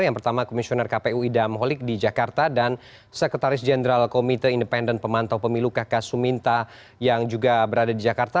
yang pertama komisioner kpu idam holik di jakarta dan sekretaris jenderal komite independen pemantau pemilu kk suminta yang juga berada di jakarta